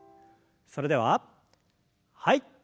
それでははい。